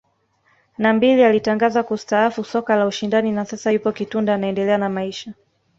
na mbili alitangaza kustaafu soka la ushindani na sasa yupo Kitunda anaendelea na maisha